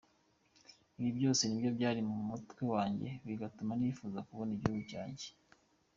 Ibi byose nibyo byari mu mutwe wanjye bigatuma nifuza kubona igihugu cyanjye.